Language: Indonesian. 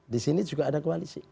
disini juga ada koalisi